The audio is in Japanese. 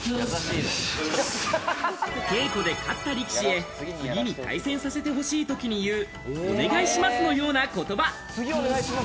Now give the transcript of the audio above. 稽古で勝った力士へ次に対戦させて欲しいときに言う、お願いしますのような言葉。